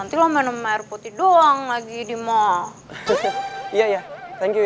gue bentar lagi mau pulang kok